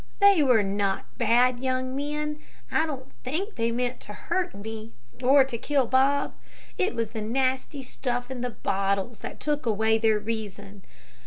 They were not bad young men. I don't think they meant to hurt me, or to kill Bob. It was the nasty stuff in the bottles that took away their reason.